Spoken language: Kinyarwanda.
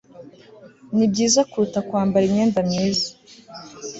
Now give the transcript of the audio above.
nibyiza kuruta kwambara imyenda myiza